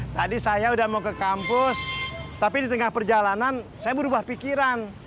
tadi saya sudah mau ke kampus tapi di tengah perjalanan saya berubah pikiran